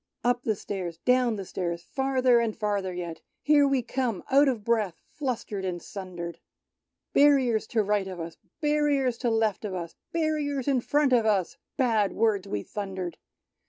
Up the stairs, down the stairs. Farther and farther yet : Here we come out of breath. Flustered and sundered, Barriers to right of us. Barriers to left of us. Barriers in tront of us ! Bad words we thundered.